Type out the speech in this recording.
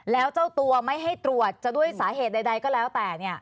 แล้วเจ้าตัวไม่ให้ตรวจจะด้วยสาเหตุใดก็แล้วแต่